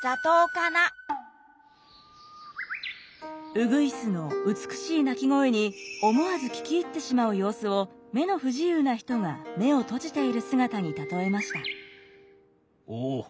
ウグイスの美しい鳴き声に思わず聞き入ってしまう様子を目の不自由な人が目を閉じている姿に例えました。